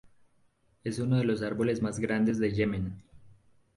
Es uno de los árboles más grandes de Yemen.